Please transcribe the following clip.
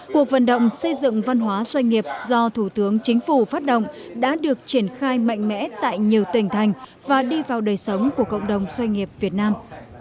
cuộc vận động xây dựng văn hóa doanh nghiệp do thủ tướng chính phủ phát động đã được triển khai mạnh mẽ tại nhiều tỉnh thành và đi vào đời sống của cộng đồng doanh nghiệp việt nam